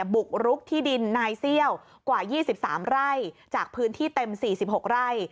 บุกรุกที่ดินนายเซี่ยวกว่า๒๓ไร่จากพื้นที่เต็ม๔๖ไร่